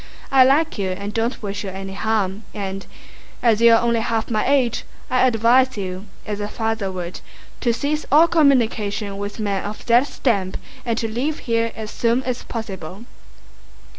I like you and don't wish you any harm and—as you are only half my age—I advise you, as a father would, to cease all communication with men of that stamp and to leave here as soon as possible."